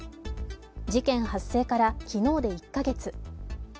事件発生から昨日で１か月。